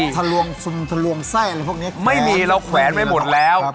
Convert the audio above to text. ทะลวงฟุมทะลวงไส้อะไรพวกนี้ไม่มีเราแขวนไว้หมดแล้ว